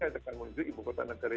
dia akan menuju ibu kota negeri